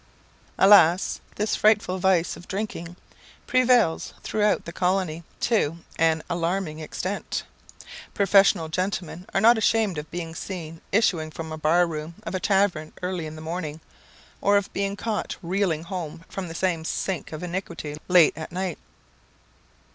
Alas! this frightful vice of drinking prevails throughout the colony to an alarming extent. Professional gentlemen are not ashamed of being seen issuing from the bar room of a tavern early in the morning, or of being caught reeling home from the same sink of iniquity late at night.